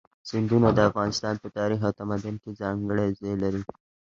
سیندونه د افغانستان په تاریخ او تمدن کې ځانګړی ځای لري.